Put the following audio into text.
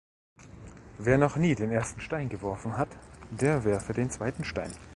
Wer noch nie den ersten Stein geworfen hat, der werfe den zweiten Stein!